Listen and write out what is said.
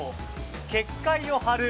結界を張る。